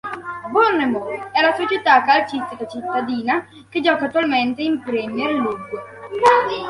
Bournemouth è la società calcistica cittadina, che gioca attualmente in Premier League.